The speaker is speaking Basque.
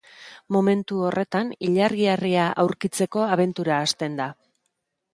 Momentu horretan ilargi-harria aurkitzeko abentura hasten da.